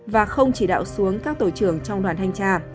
và không chỉ đạo xuống các tổ trưởng trong đoàn thanh tra